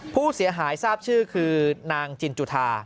ผู้เสียหายทราบชื่อคือนางจินจุธา